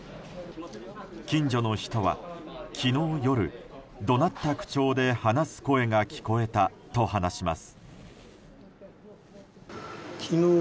近所の人は、昨日夜怒鳴った口調で話す声が聞こえたと話します。